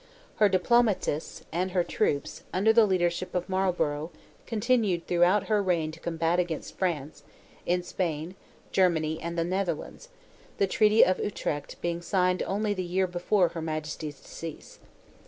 Her diplomatists, and her troops, under the leadership of Marlborough, continued throughout her reign to combat against France, in Spain, Germany, and the Netherlands; the treaty of Utrecht being signed only the year before her majesty's decease.